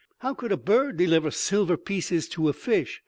How could a bird deliver silver pieces to a fish.